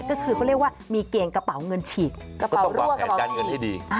ก็คือเรียกว่ามีเกงกระเป๋าเงินฉีกก็ต้องหวังแผนการเงินที่ดี